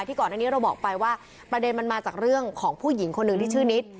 ก่อนอันนี้เราบอกไปว่าประเด็นมันมาจากเรื่องของผู้หญิงคนหนึ่งที่ชื่อนิด